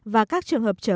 và các trường hợp trở về